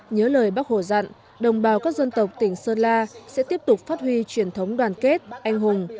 nhớ lời bác hồ dặn đồng bào các dân tộc tỉnh sơn la sẽ tiếp tục phát huy truyền thống đoàn kết anh hùng